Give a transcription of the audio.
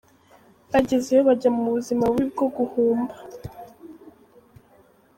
Bagezeyo bajya mu buzima bubi bwo guhumba.